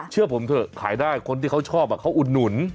เชื่อผมเถอะขายได้คนที่เขาชอบเขาอุดหนุน